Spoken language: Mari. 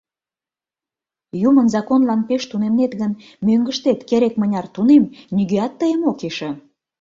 Юмын законлан пеш тунемнет гын, мӧҥгыштет керек-мыняр тунем, нигӧат тыйым ок ише.